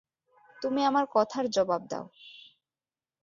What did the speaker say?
তুমি আমার কথার জবাব দাও।